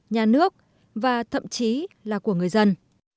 nhà nước và thậm chí là của người dân